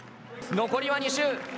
残りは２周。